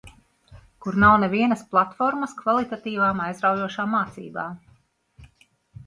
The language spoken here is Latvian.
Kur nav nevienas platformas kvalitatīvām, aizraujošām mācībām.